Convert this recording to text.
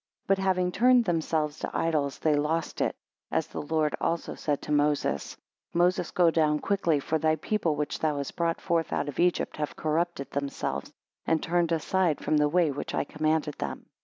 9 But having turned themselves to idols they lost it; as the Lord also said to Moses; Moses, go down quickly, for thy people which thou hast brought forth out of Egypt, have corrupted themselves, and turned aside from the way which I commanded them.